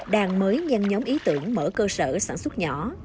đang mới nhanh nhóm ý tưởng mở cơ sở sản xuất nhỏ